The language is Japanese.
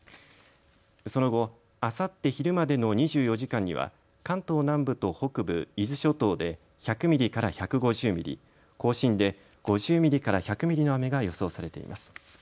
その後、あさって昼までの２４時間には関東南部と北部、伊豆諸島で１００ミリから１５０ミリ、甲信で５０ミリから１００ミリの雨が予想されています。